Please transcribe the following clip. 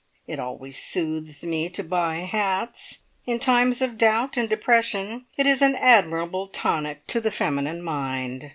It always soothes me to buy hats. In times of doubt and depression it is an admirable tonic to the feminine mind.